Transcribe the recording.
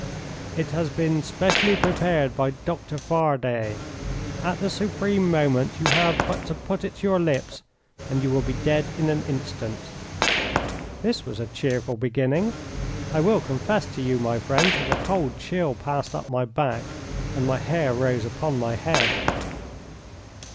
"It has been specially prepared by Dr. Fardet. At the supreme moment you have but to put it to your lips and you will be dead in an instant." This was a cheerful beginning. I will confess to you, my friends, that a cold chill passed up my back and my hair rose upon my head.